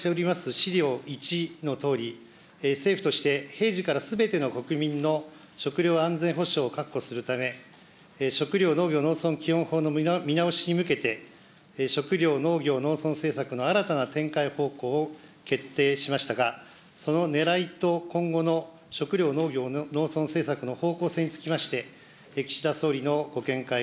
資料１のとおり、政府として平時からすべての国民の食料安全保障を確保するため、食料・農業・農村基本法の見直しに向けて、食料・農業・農村政策の新たな展開方向を決定いたしましたが、そのねらいと今後の食料農業農村政策の方向性につきまして、岸田